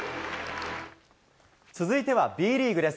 続いてはＢリーグです。